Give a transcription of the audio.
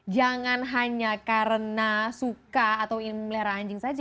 jangan hanya karena suka atau ingin memelihara anjing saja